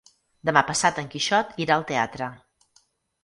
Demà passat en Quixot irà al teatre.